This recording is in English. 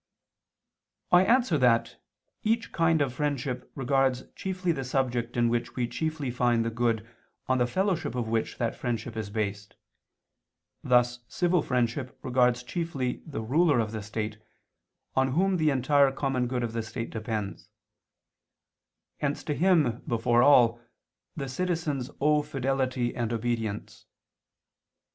I answer that, Each kind of friendship regards chiefly the subject in which we chiefly find the good on the fellowship of which that friendship is based: thus civil friendship regards chiefly the ruler of the state, on whom the entire common good of the state depends; hence to him before all, the citizens owe fidelity and obedience.